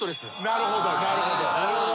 なるほど。